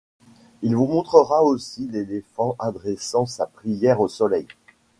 Il vous montrera aussi l’éléphant adressant sa prière au soleil.